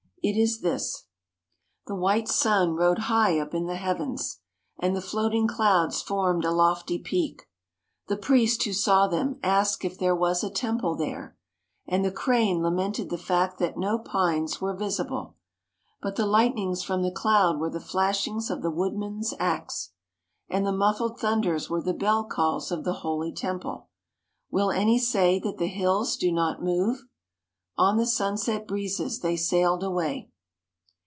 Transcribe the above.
It is this 'The white sun rode high up in the heavens, And the floating clouds formed a lofty peak; The priest who saw them asked if there was a temple there, And the crane lamented the fact that no pines were visible; But the lightnings from the cloud were the flashings of the woodman's axe, And the muffled thunders were the bell calls of the holy temple. Will any say that the hills do not move? On the sunset breezes they sailed away.'"